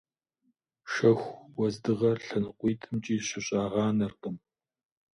Шэху уэздыгъэр лъэныкъуитӏымкӏи щыщӏагъанэркъым.